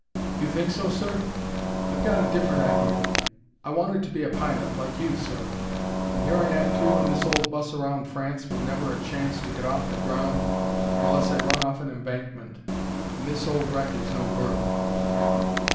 "You think so, sir? I've gotta different idea. I wanted to be a pilot, like you, sir, and here I am toolin' this old bus around France with never a chance to get off the ground unless I run off an embankment. And this old wreck is no bird."